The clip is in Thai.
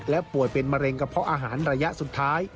ป่วยเป็นมะเร็งกระเพาะอาหารระยะสุดท้าย